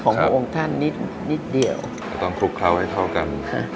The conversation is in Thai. ของบัวองค์ท่านนิดเดียวต้องคลุกเคราะห์ให้เท่ากัน